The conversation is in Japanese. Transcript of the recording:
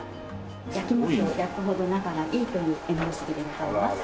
焼き餅を焼くほど仲がいいという縁結びでございます。